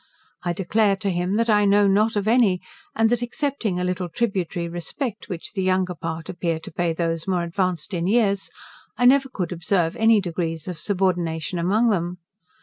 I declare to him, that I know not of any, and that excepting a little tributary respect which the younger part appear to pay those more advanced in years, I never could observe any degrees of subordination among them.